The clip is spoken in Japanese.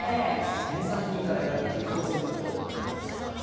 県産品から選ぶギフトセットなんだそうです。